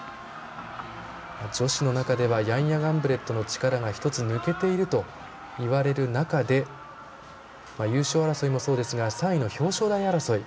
女子の中ではヤンヤ・ガンブレットの力が１つ抜けているといわれる中で優勝争いもそうですが３位の表彰台争い